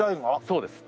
そうです。